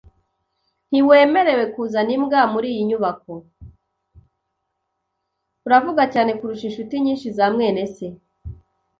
Uravuga cyane kurusha inshuti nyinshi za mwene se.